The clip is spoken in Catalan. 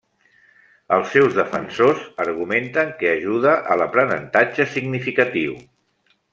Els seus defensors argumenten que ajuda a l'aprenentatge significatiu.